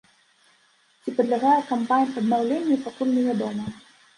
Ці падлягае камбайн аднаўленню, пакуль невядома.